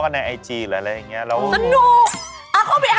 นักอ่านแบบเอาอีกแล้วส่งแชร์กับเพื่อนน่ะ